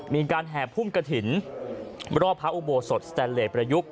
มีการแห่ภูมิกระถิ่นรอบพระอุโบสถแสนเลตประยุกต์